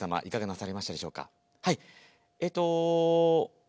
いかがなさいましたでしょうか。